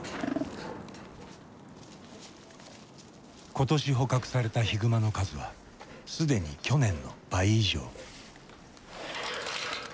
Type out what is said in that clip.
今年捕獲されたヒグマの数は既に去年の倍以上。